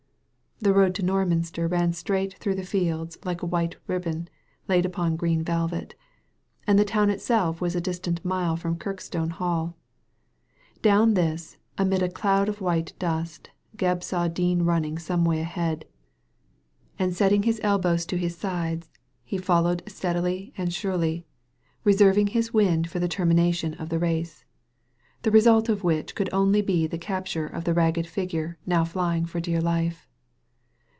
The road to Norminster ran straight through the fields like a white ribbon laid upon green velvet, and the town itself was distant a mile from Kirkstone HalL Down this, amid a cloud of white dust, Gebb saw Dean running some way ahead, and setting his Digitized by Google 214 THE LADY FROM NOWHERE elbows to his sides he followed steadily and surelyi reserving his wind for the termination of the race, the result of which could only be the capture of the ragged figure now flying for dear life.